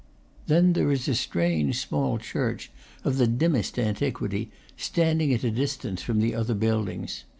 Then there is a strange, small church, of the dimmest antiquity, standing at a distance from the other buildings.